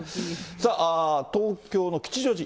さあ、東京の吉祥寺。